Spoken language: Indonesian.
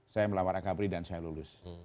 saya melawan akabri dan saya lulus